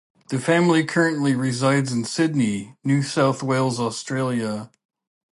The family currently resides in Sydney, New South Wales, Australia.